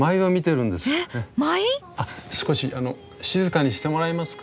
あっ少し静かにしてもらえますか。